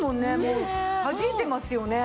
はじいてますよね。